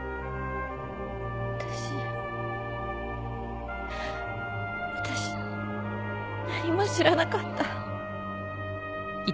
私私何も知らなかった。